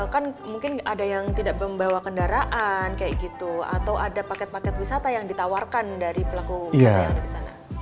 kan mungkin ada yang tidak membawa kendaraan kayak gitu atau ada paket paket wisata yang ditawarkan dari pelaku wisata yang ada di sana